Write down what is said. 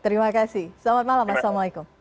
terima kasih selamat malam assalamualaikum